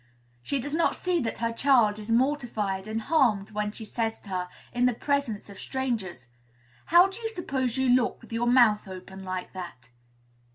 She does not see that her child is mortified and harmed when she says to her, in the presence of strangers, "How do you suppose you look with your mouth open like that?"